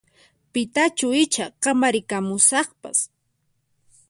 Pitachu icha kamarikamusaqpas?